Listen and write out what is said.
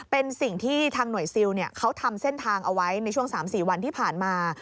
เป็นสิ่งที่ทางหน่วยซิลเขาทำเส้นทางเอาไว้ในช่วง๓๔วันที่ผ่านมา